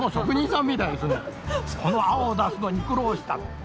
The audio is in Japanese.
この青を出すのに苦労した。